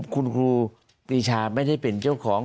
คุณครูปีชาไม่ได้เป็นเจ้าของ